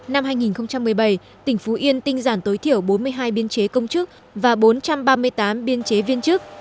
năm hai nghìn một mươi bảy tỉnh phú yên tinh giản tối thiểu bốn mươi hai biên chế công chức và bốn trăm ba mươi tám biên chế viên chức